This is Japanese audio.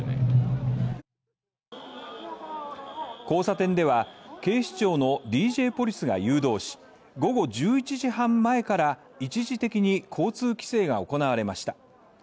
交差点では警視庁のＤＪポリスが誘導し午後１１時半前から一時的に交通規制が行われました。